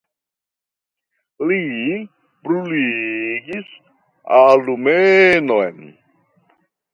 Li bruligis alumeton.